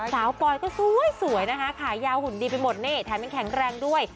ปอยก็สวยนะคะขายาวหุ่นดีไปหมดนี่แถมยังแข็งแรงด้วย